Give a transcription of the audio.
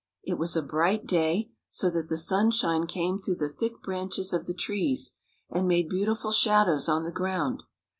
It was a bright day, so that the sunshine came through the thick branches of the trees, and made beautiful shadows on the ground.